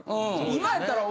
今やったら。